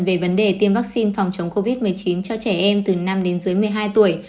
về vấn đề tiêm vaccine phòng chống covid một mươi chín cho trẻ em từ năm đến dưới một mươi hai tuổi